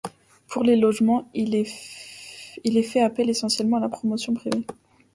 Pour les logements, il est fait appel essentiellement à la promotion privée.